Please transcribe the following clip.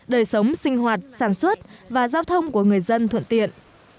đời sống sinh hoạt sản xuất và giao thông của người dân thuận tiện